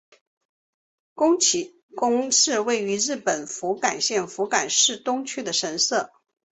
筥崎宫是位在日本福冈县福冈市东区的神社。